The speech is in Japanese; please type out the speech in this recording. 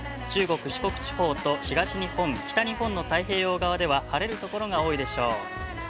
中国・四国地方と東日本、北日本の太平洋側では、晴れる所が多いでしょう。